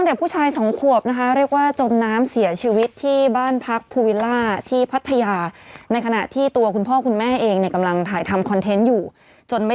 เดี๋ยวติดตามกันต่อว่าเมื่อจะเป็นอะไร